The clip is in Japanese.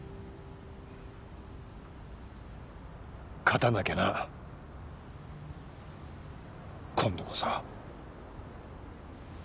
勝たなきゃな今度こそ。